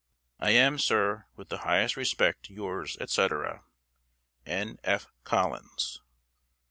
"I am, sir, with the highest respect, Yours, etc., N. F. COLLINS.